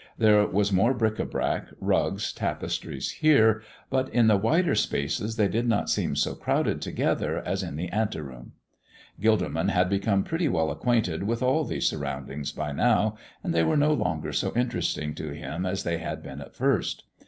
There was more bric à brac, rugs, tapestries here, but in the wider spaces they did not seem so crowded together as in the anteroom. Gilderman had become pretty well acquainted with all these surroundings by now, and they were no longer so interesting to him as they had been at first.